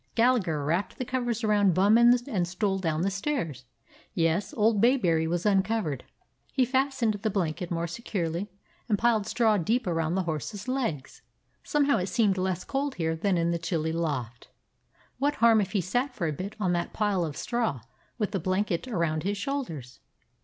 Galla gher wrapped the covers around Bum and stole down the stairs. Yes, old Bayberry was uncovered. He fastened the blanket more securely, and piled straw deep around the horses' legs. Somehow it seemed less cold here than in the chilly loft. What harm if he sat for a bit on that pile of straw, with a blan ket around his shoulders?